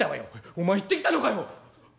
「お前行ってきたのかよ！？